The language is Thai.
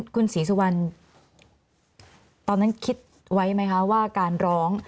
คุณศรีสุวรรณตอนนั้นคิดไว้ไหมคะว่าการร้อง